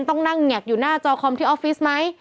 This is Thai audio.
ต้องนั่งแงกอยู่หน้าจอคอมที่ออฟฟิศไหม